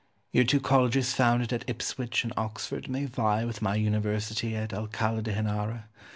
Your two colleges founded at Ipswich and Oxford may vie with my University at Alcala de Henara.